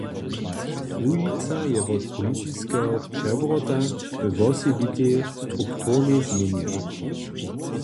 Łužica je wot politiskeho přewróta we wosebitej strukturnej změnje.